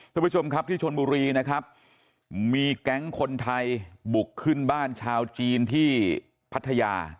ทุกผู้ชมครับที่ชนบุรีนะครับมีแก๊งคนไทยบุกขึ้นบ้านชาวจีนที่พัทยา